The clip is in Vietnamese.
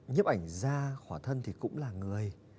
nhấp ảnh da khỏa thân thì cũng là người